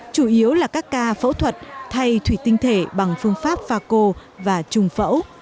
chủ yếu là các ca phẫu thuật thay thủy tinh thể bằng phương pháp pha cô và trùng phẫu